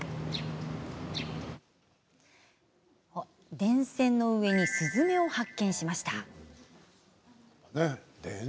電線の上にスズメを発見しました。